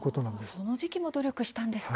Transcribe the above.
その時期も努力したんですか。